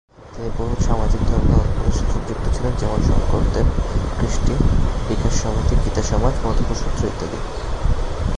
তিনি বহু সামাজিক-ধর্মীয় প্রতিষ্ঠানের সাথে যুক্ত ছিলেন, যেমন সংকরদেব-ক্রিস্টি বিকাশ সমিতি, গীতা সমাজ, মধুপুর সুত্র ইত্যাদি।